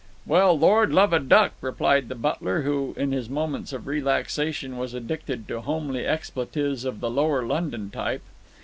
"Well, Lord love a duck!" replied the butler, who in his moments of relaxation was addicted to homely expletives of the lower London type.